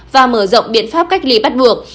và mở rộng biện pháp cách ly bắt buộc